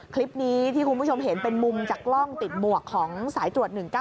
คลิปนี้ที่คุณผู้ชมเห็นเป็นมุมจากกล้องติดหมวกของสายตรวจ๑๙๑